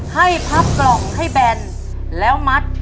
พับกล่องให้แบนแล้วมัด